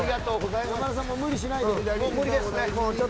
山田さん、無理しないで。